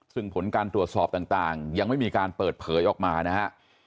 ซึ่งผลการตรวจสอบต่างยังไม่มีการเปิดเผยออกมานะฮะ